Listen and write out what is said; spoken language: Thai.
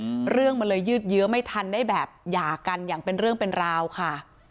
อืมเรื่องมันเลยยืดเยื้อไม่ทันได้แบบหย่ากันอย่างเป็นเรื่องเป็นราวค่ะ